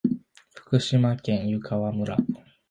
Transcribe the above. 福島県湯川村